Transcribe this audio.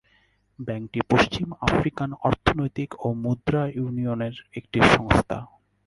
ব্যাংকটি পশ্চিম আফ্রিকান অর্থনৈতিক ও মুদ্রা ইউনিয়নের একটি সংস্থা।